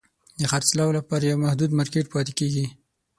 د خرڅلاو لپاره یو محدود مارکېټ پاتې کیږي.